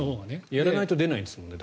やらないと出ないですもんね。